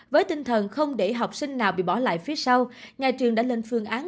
với tinh thần không để học sinh nào bị bỏ lại phía sau nhà trường đã lên phương án